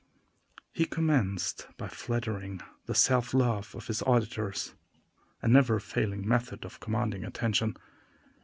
He commenced by flattering the self love of his auditors; a never failing method of commanding attention.